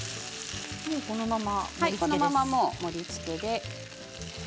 このまま盛りつけです。